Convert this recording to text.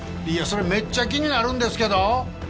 いやそれめっちゃ気になるんですけど！